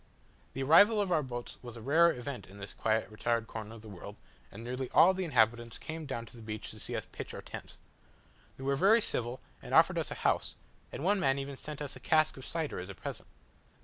The arrival of our boats was a rare event in this quiet retired corner of the world; and nearly all the inhabitants came down to the beach to see us pitch our tents. They were very civil, and offered us a house; and one man even sent us a cask of cider as a present.